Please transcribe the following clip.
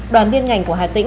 đoàn viên ngành của hà tĩnh